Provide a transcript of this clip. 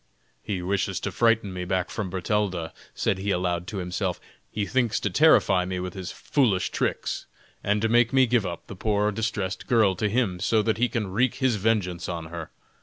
"He wishes to frighten me back from Bertalda," said he aloud to himself; "he thinks to terrify me with his foolish tricks, and to make me give up the poor distressed girl to him, so that he can wreak his vengeance on her.